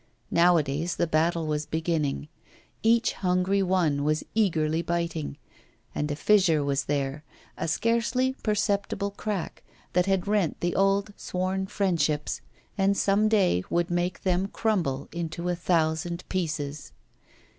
Nowadays the battle was beginning. Each hungry one was eagerly biting. And a fissure was there, a scarcely perceptible crack that had rent the old, sworn friendships, and some day would make them crumble into a thousand pieces.